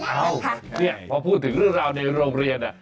เอ้าเนี่ยพอพูดถึงเรื่องราวในโรงเรียน